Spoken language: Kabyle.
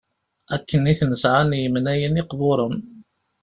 akken i ten-sεan yemnayen iqburen